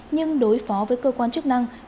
nhưng đối phó với cơ quan chức năng